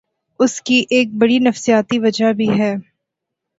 اس کی ایک بڑی نفسیاتی وجہ بھی ہے۔